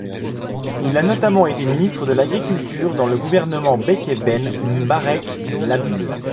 Il a notamment été ministre de l'Agriculture dans le gouvernement Bekkay Ben M'barek Lahbil.